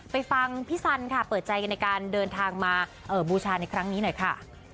ฟังพี่สันค่ะเปิดใจกันในการเดินทางมาบูชาในครั้งนี้หน่อยค่ะ